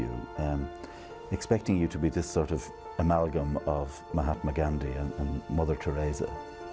mengharapkan anda menjadi sebuah antara mahatma gandhi dan mother teresa